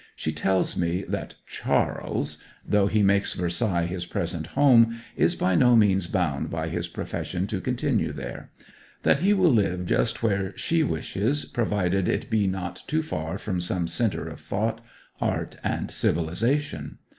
She tells me that 'Charles,' though he makes Versailles his present home, is by no means bound by his profession to continue there; that he will live just where she wishes, provided it be not too far from some centre of thought, art, and civilization.